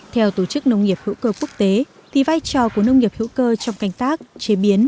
theo tổ chức nông nghiệp hữu cơ quốc tế thì vai trò của nông nghiệp hữu cơ trong canh tác chế biến